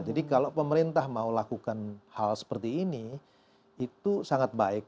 jadi kalau pemerintah mau lakukan hal seperti ini itu sangat baik